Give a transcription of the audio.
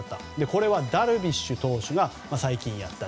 これはダルビッシュ投手が最近やった。